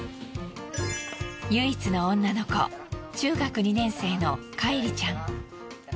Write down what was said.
唯一の女の子中学２年生のカイリちゃん。